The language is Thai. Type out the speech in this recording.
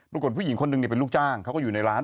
ผู้หญิงคนหนึ่งเป็นลูกจ้างเขาก็อยู่ในร้าน